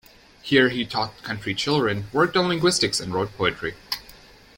Here he taught country children, worked on linguistics and wrote poetry.